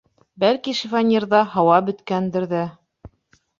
Бәлки, шифоньерҙа һауа бөткәндер ҙә...